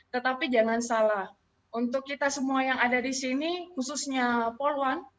tetapi jangan salah untuk kita semua yang ada di sini khususnya poluan